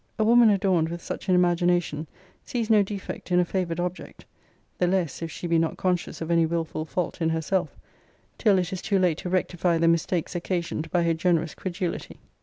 A woman adorned with such an imagination sees no defect in a favoured object, (the less, if she be not conscious of any wilful fault in herself,) till it is too late to rectify the mistakes occasioned by her generous credulity.